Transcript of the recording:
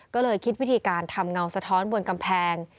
ก็เลยคิดวิธีการทำเงาสะท้อนบนกำแพง